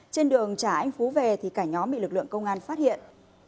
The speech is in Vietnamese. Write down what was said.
trên đường trả anh phú về thì cả nhóm bị lực lượng công an phát hiện